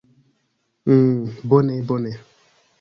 "Hm, bone bone."